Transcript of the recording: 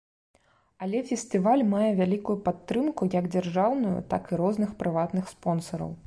Але фестываль мае вялікую падтрымку як дзяржаўную, так і розных прыватных спонсараў.